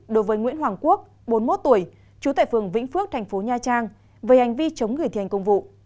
đối với nguyễn hoàng quốc bốn mươi một tuổi trú tại phường vĩnh phước thành phố nha trang về hành vi chống người thi hành công vụ